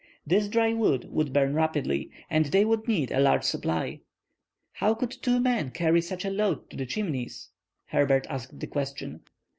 This dry wood would burn rapidly, and they would need a large supply. How could two men carry such a load to the Chimneys? Herbert asked the question.